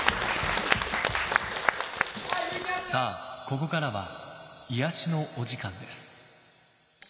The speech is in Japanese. さあ、ここからは癒やしのお時間です。